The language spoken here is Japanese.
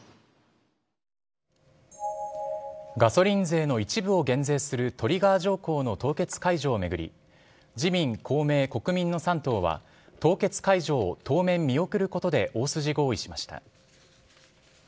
ガソリン税の一部を減税するトリガー条項の凍結解除を巡り、自民、公明、国民の３党は、凍結解除を当面見送ることで、大筋合意しました。